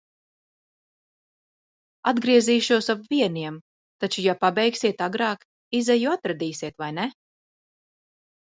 Atgriezīšos ap vieniem, taču, ja pabeigsiet agrāk, izeju atradīsiet, vai ne?